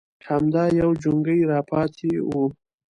_همدا يو جونګۍ راپاتې و.